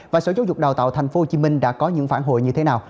và sở giáo dục đào tạo tp hcm đã có những phản hồi như thế nào